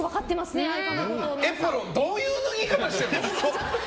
エプロンどういう脱ぎ方してんの。